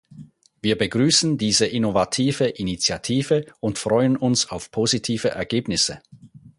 Wir begrüßen diese innovative Initiative und freuen uns auf positive Ergebnisse.